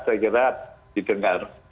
saya kira didengar